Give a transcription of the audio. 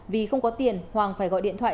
vì không có tiền hoàng phải gọi điện thoại